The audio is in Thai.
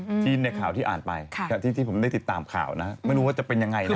ที่ในข่าวที่อ่านไปค่ะที่ที่ผมได้ติดตามข่าวนะไม่รู้ว่าจะเป็นยังไงนะ